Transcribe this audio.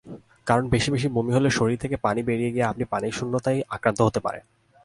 কারণ বেশি বমি হলে শরীর থেকে পানি বেরিয়ে গিয়ে আপনি পানিশূন্যতায় আক্রান্ত হতে পারেন।